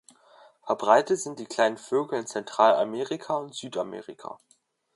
Verbreitet sind die kleinen Vögel in Zentralamerika und Südamerika.